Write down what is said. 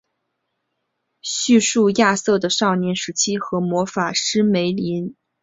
叙述亚瑟的少年时期和魔法师梅林帮助他的过程。